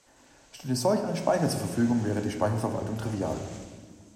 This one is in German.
Stünde solch ein Speicher zur Verfügung, wäre die Speicherverwaltung trivial.